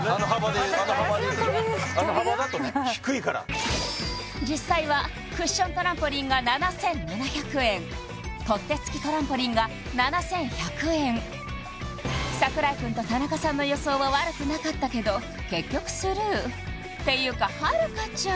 低いから実際はクッショントランポリンが７７００円取っ手付きトランポリンが７１００円櫻井君と田中さんの予想は悪くなかったけど結局スルーていうか遥ちゃん